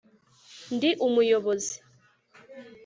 ndi umuyobozi,